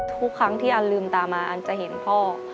ทุกครั้งที่อันลืมตามาอันจะเห็นพ่อ